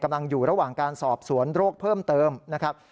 อยู่ระหว่างการสอบสวนโรคเพิ่มเติมนะครับ